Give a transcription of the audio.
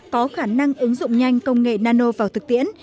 có khả năng ứng dụng nhanh công nghệ nano vào thực tiễn